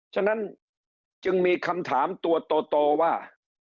ฉะนั้นจึงมีคำถามตัวโตว่า